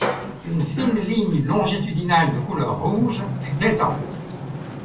Une fine ligne longitudinale de couleur rouge est présente.